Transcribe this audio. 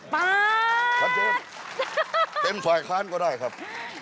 ปั๊ดครับเจ๊เป็นสายค้านก็ได้ครับ